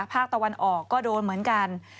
ภาคตะวันออกก็โดนเหมือนกัน